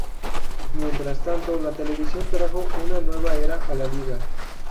Mientras tanto, la televisión trajo una nueva era a la Liga.